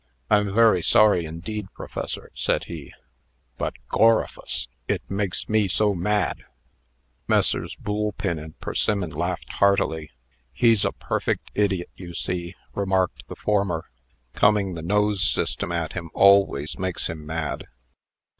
"I'm very sorry, indeed, Professor," said he; "but Gorrifus! it makes me so mad!" Messrs. Boolpin and Persimmon laughed heartily. "He's a perfect idiot, you see," remarked the former. "Coming the nose system at him always makes him mad."